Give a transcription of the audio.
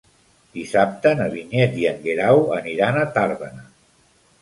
Dissabte na Vinyet i en Guerau aniran a Tàrbena.